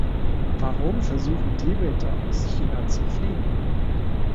Warum versuchen Tibeter, aus China zu fliehen?